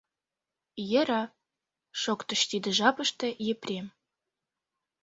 — Йӧра, — шоктыш тиде жапыште Епрем.